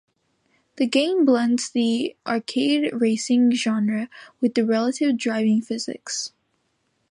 The game blends the arcade racing genre with realistic driving physics.